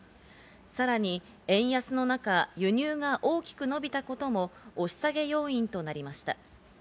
さらに円安の中、輸入が大きく伸びたことも押し下げ要因となりました。